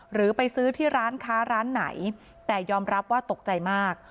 หรือไปซื้อที่ร้านค้าร้านไหนแต่ยอมรับว่าตกใจมาก